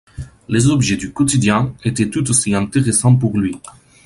Les objets du quotidien étaient tout aussi intéressants pour lui.